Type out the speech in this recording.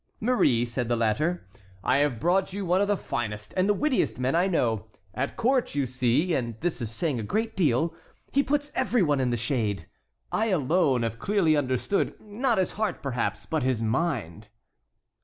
"Marie," said the latter, "I have brought you one of the finest and the wittiest men I know. At court, you see, and this is saying a great deal, he puts every one in the shade. I alone have clearly understood, not his heart, perhaps, but his mind."